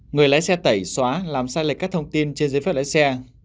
người lái xe tẩy xóa làm sai lệch các thông tin trên giấy phép lái xe